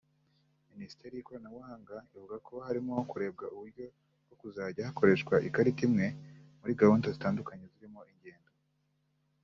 Minisiteri y’ikoranabuhanga ivuga ko harimo kurebwa uburyo bwo kuzajya hakoreshwa ikarita imwe muri gahunda zitandukanye zirimo ingendo